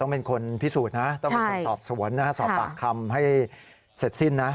ต้องเป็นคนพิสูจน์นะต้องสอบสวนนะสอบปากคำให้เสร็จสิ้นนะ